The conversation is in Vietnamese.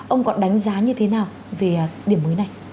ông có đánh giá như thế nào về điểm mới này